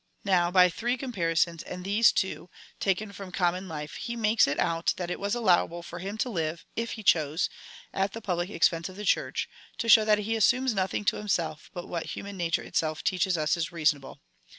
Now, by three comparisons, and these, too, taken from common life, he makes it out that it was allowable for him to live, if he chose, at the public expense of the Church, to show that he assumes nothing to himself but what human nature itself teaches us is reasonable.